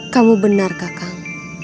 kamu benar kakak